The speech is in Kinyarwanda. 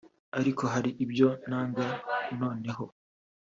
ariko hari ibyo nanga noneho